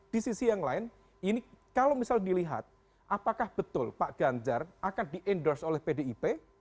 di sisi yang lain ini kalau misal dilihat apakah betul pak ganjar akan di endorse oleh pdip